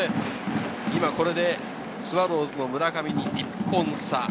これでスワローズの村上に１本差。